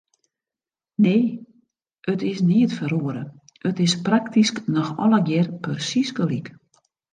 Nee, it is neat feroare, it is praktysk noch allegear persiis gelyk.